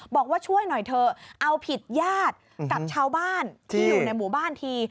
บอกว่าช่วยหน่อยเถอะเอาผิดญาติกับชาวบ้านที่อยู่ในหมู่บ้านที